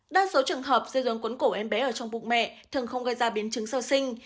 đa số trường hợp dây rốn cuốn cổ em bé ở trong bụng mẹ thường không gây ra biến chứng sau sinh